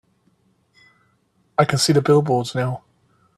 I can see the billboards now.